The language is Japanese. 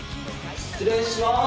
失礼します！